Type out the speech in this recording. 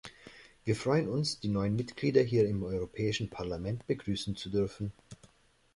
Wir freuen uns, die neuen Mitglieder hier im Europäischen Parlament begrüßen zu dürfen.